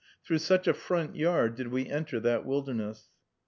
Through such a front yard did we enter that wilderness.